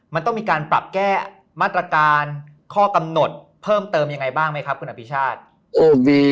มันต้องมีการปรับแก้มาตรการข้อกำหนดเพิ่มเติมยังไงบ้างไหมครับคุณอภิชาติ